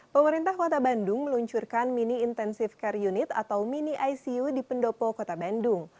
pemerintah kota bandung meluncurkan mini intensive care unit atau mini icu di pendopo kota bandung